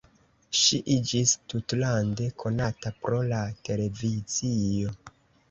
Ŝi iĝis tutlande konata pro la televizio.